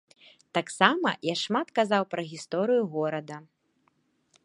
Таксама я шмат казаў пра гісторыю горада.